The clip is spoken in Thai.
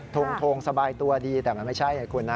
ทงสบายตัวดีแต่มันไม่ใช่ไงคุณนะ